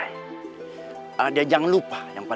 ya udah gak apa apa